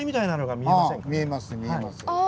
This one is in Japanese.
見えます見えます。